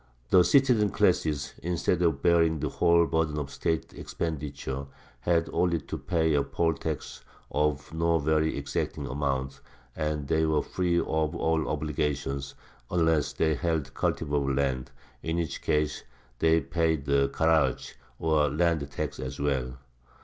The citizen classes, instead of bearing the whole burden of the State expenditure, had only to pay a poll tax of no very exacting amount, and they were free of all obligations; unless they held cultivable land, in which case they paid the Kharaj or land tax as well.